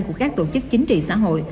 của các tổ chức chính trị xã hội